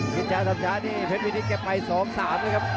จิ๊ดช้าทำช้านี่เพชรวินิสต์เก็บไป๒๓เลยครับ